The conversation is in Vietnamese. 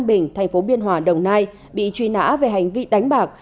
bình thành phố biên hòa đồng nai bị truy nã về hành vi đánh bạc